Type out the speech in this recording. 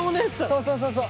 そうそうそうそう。